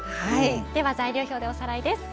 材料表でおさらいです。